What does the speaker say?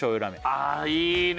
あいいね！